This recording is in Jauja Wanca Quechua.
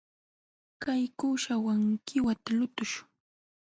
Kay kuuśhawan qiwata lutuśhun.